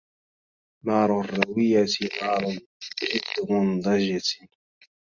نار الروية نار جد منضجة